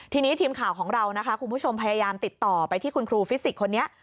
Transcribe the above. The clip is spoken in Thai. ทีนี้ทีมข่าวของเรานะคะคุณผู้ชมพยายามติดต่อไปที่คุณครูฟิสิกส์คนนี้